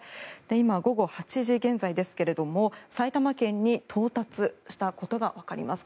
今、午後８時現在ですが埼玉県に到達したことがわかります。